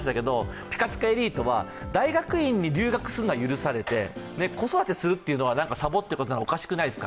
ピカピカエリートは大学院に留学するのは許されて子育てするというのはサボっているということはおかしくないですか？